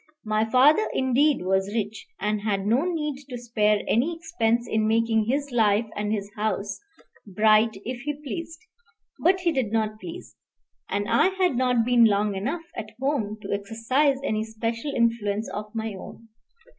My father, indeed, was rich, and had no need to spare any expense in making his life and his house bright if he pleased; but he did not please, and I had not been long enough at home to exercise any special influence of my own.